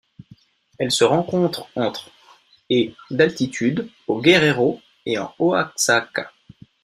Elle se rencontre entre et d'altitude au Guerrero et en Oaxaca.